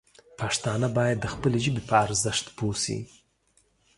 پښتانه باید د خپلې ژبې په ارزښت پوه شي.